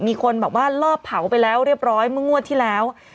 มีคนแบบว่าลอบเผาไปแล้วเรียบร้อยเมื่องวดที่แล้ว